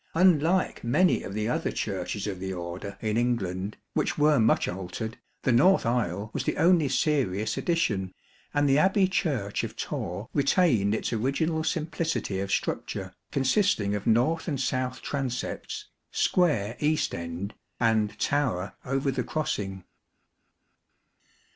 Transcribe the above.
Unlike many of the other churches of the Order in England, which were much altered, the north aisle was the only serious addition, and the Abbey Church of Torre retained its original simplicity of structure, consisting of north and south transepts, square east end, and tower over the crossing.